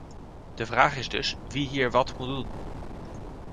De vraag is dus wie hier wat moet doen.